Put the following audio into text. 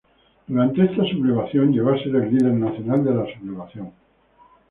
Durante esta sublevación llegó a ser el líder nacional de la sublevación.